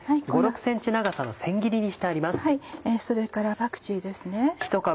それからパクチーですね。